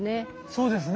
そうですね。